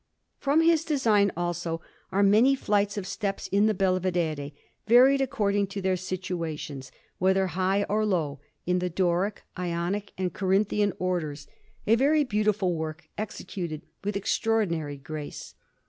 From his design, also, are many flights of steps in the Belvedere, varied according to their situations, whether high or low, in the Doric, Ionic, and Corinthian Orders a very beautiful work, executed with extraordinary grace.